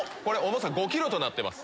重さ５ｋｇとなってます。